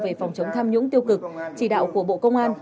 về phòng chống tham nhũng tiêu cực chỉ đạo của bộ công an